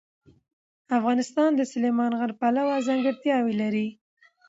افغانستان د سلیمان غر پلوه ځانګړتیاوې لري.